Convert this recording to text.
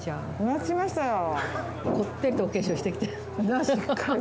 待ちましたよ。